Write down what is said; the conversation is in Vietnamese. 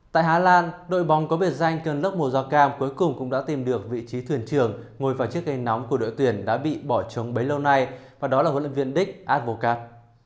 tại hà lan đội bóng có biệt danh cơn lốc mùa giọt cam cuối cùng cũng đã tìm được vị trí thuyền trường ngồi vào chiếc cây nóng của đội tuyển đã bị bỏ trống bấy lâu nay và đó là huấn luyện viên dick advocat